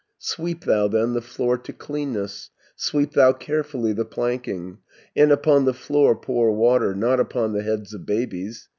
180 "Sweep thou then the floor to cleanness, Sweep thou carefully the planking, And upon the floor pour water, Not upon the heads of babies.